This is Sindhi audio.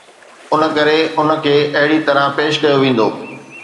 ان ڪري ان کي اهڙي طرح پيش ڪيو ويندو